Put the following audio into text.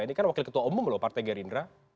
ini kan wakil ketua umum loh partai gerindra